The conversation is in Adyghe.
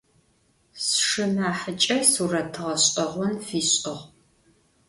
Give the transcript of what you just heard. Sşşınahıç'e suret ğeş'eğon fiş'ığ.